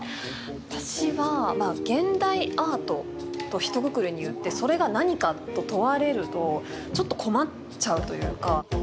私はまあ「現代アート」とひとくくりに言ってそれが何かと問われるとちょっと困っちゃうというか。